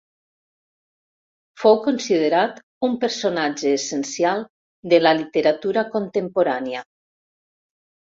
Fou considerat un personatge essencial de la literatura contemporània.